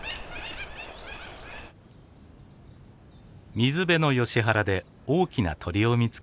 水辺のヨシ原で大きな鳥を見つけました。